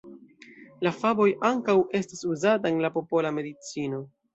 La faboj ankaŭ estas uzata en la popola medicino.